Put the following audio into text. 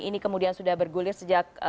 ini kemudian sudah bergulir sejak